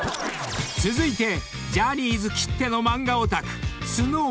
［続いてジャニーズきっての漫画オタク］